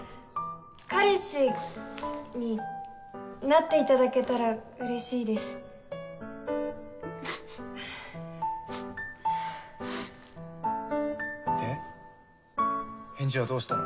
彼氏になっていただけたらうれしいですで返事はどうしたの？